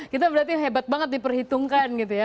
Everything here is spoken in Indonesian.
kita berarti hebat banget diperhitungkan